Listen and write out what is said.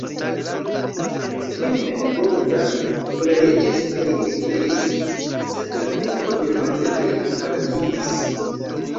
Finfine Bogdan koleriĝis kaj ekiris, sed la turko denove lin haltigis.